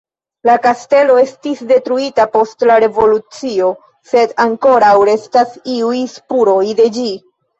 La kastelo estis detruita post la Revolucio, sed ankoraŭ restas iuj spuroj de ĝi.